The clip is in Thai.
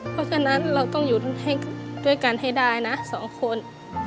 เพราะฉะนั้นเราต้องอยู่ด้วยกันให้ได้นะสองคน